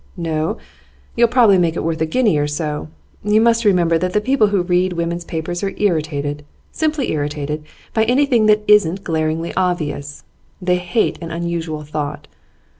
'No; you'll probably make it worth a guinea or so. You must remember that the people who read women's papers are irritated, simply irritated, by anything that isn't glaringly obvious. They hate an unusual thought.